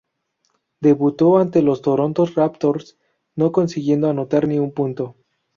Debutó ante los Toronto Raptors, no consiguiendo anotar ni un punto.